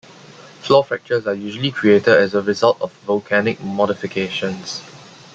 Floor-fractures are usually created as a result of volcanic modifications.